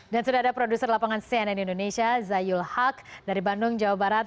dan sudah ada produser lapangan cnn indonesia zayul haq dari bandung jawa barat